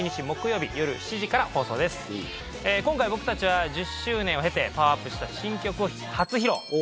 今回僕たちは１０周年を経てパワーアップした新曲を初披露します。